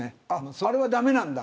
あれは駄目なんだ。